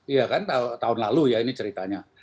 iya kan tahun lalu ya ini ceritanya